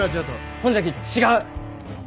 ほんじゃき違う。